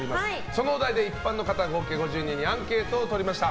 そのお題で一般の方合計５０名にアンケートを取りました。